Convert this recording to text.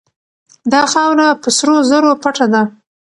دا خاوره په سرو زرو پټه ده.